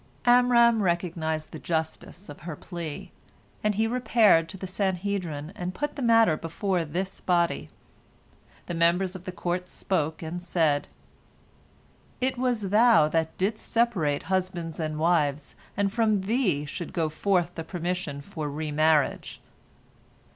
Amram recognized the justice of her plea, and he repaired to the Sanhedrin, and put the matter before this body. The members of the court spoke, and said: "It was thou that didst separate husbands and wives, and from thee should go forth the permission for re marriage."